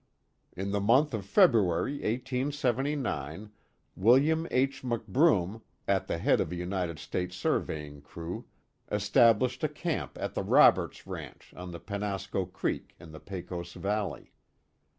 In the month of February, 1879, Wm. H. McBroom, at the head of a United States surveying crew, established a camp at the Roberts ranch on the Penasco creek, in the Pecos valley.